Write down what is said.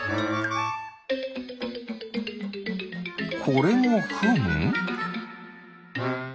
これもフン？